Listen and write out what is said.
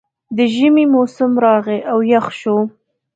د ژمي موسم راغی او یخ شو